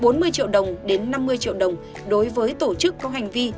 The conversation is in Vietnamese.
từ bốn mươi triệu đồng đến năm mươi triệu đồng đối với tổ chức có hành vi